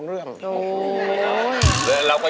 โอ้โห